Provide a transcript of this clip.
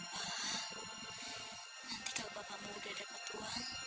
nanti kalau bapakmu udah dapat uang